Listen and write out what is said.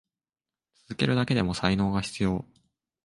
続けるだけでも才能が必要。